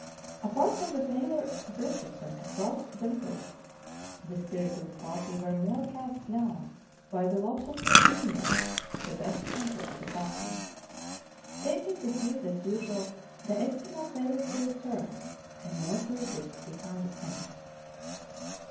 Apart from the failure of Richardson to cross the Franklin on the Barren Grounds 33 river, the spirits of the party were more cast clown by the loss of Junius, the best hunter of the party. Taking the field as usual, the Eskimo failed to return, and no traces could be found of him.